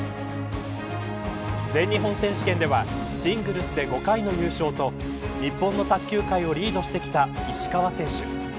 全日本選手権ではシングルスで５回の優勝と日本の卓球界をリードしてきた石川選手。